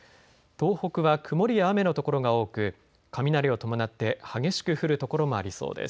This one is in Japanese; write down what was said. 東北は曇りや雨の所が多く雷を伴って激しく降る所もありそうです。